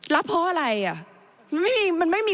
ลับเพราะอะไร